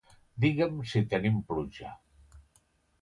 Digue'm si tenim pluja.